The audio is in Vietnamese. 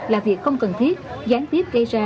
là việc không cần thiết gián tiếp gây ra